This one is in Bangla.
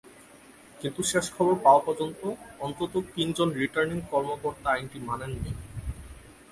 কিন্তু শেষ খবর পাওয়া পর্যন্ত অন্তত তিনজন রিটার্নিং কর্মকর্তা আইনটি মানেননি।